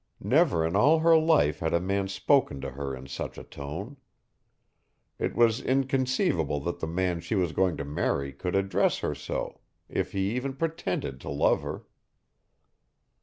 Never in all her life had a man spoken to her in such a tone. It was inconceivable that the man she was going to marry could address her so, if he even pretended to love her.